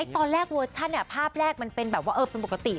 ตอนแรกเวอร์ชันภาพแรกมันเป็นแบบว่าเป็นปกติ